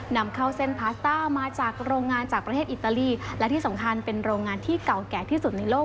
นำเข้าเส้นพาสต้ามาจากโรงงานจากประเทศอิตาลีและที่สำคัญเป็นโรงงานที่เก่าแก่ที่สุดในโลก